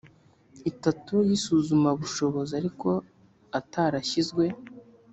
itatu y isuzumabushobozi ariko atarashyizwe